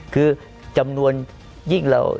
คือจำนวนยิ่งเรา